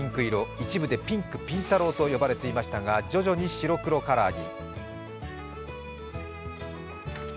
一部でピンクピン太郎と呼ばれていましたが、徐々に白黒カラーに。